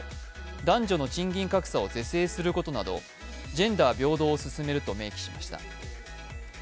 男女の賃金格差を是正することなど、ジェンダー平等を進めると明記しました。